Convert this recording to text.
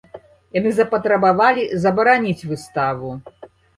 Яны запатрабавалі забараніць выставу.